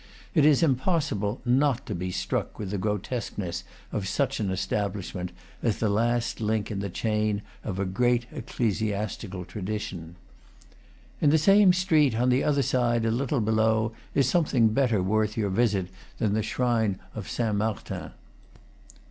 It is impos sible not to be struck with the grotesqueness of such an establishment, as the last link in the chain of a great ecclesiastical tradition. In the same street, on the other side, a little below, is something better worth your visit than the shrine of Saint Martin.